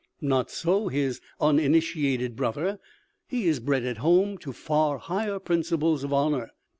Not so his uninitiated brother; he is bred at home to far higher principles of honour.